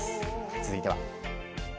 続いては。